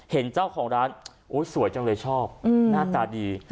เห็นเจ้าของร้านสวยจังเลยชอบหน้าตาดี